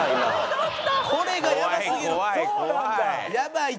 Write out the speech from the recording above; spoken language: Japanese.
これがやばすぎる！